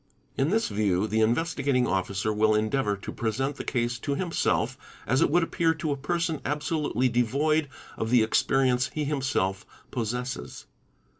| In this view, the Investigating Officer will endeavour to present the — case to himself as it would appear to a person absolutely devoid of the © experience he himself possesses.